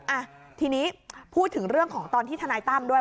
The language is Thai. อ่ะทีนี้พูดถึงเรื่องของตอนที่ทนายตั้มด้วย